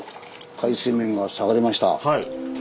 海水面が下がりました。